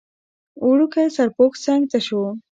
وړوکی سرپوښ څنګ ته شو.